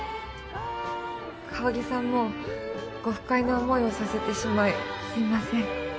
香さんもご不快な思いをさせてしまいすいません。